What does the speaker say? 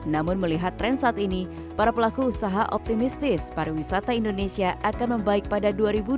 namun melihat tren saat ini para pelaku usaha optimistis pariwisata indonesia akan membaik pada dua ribu dua puluh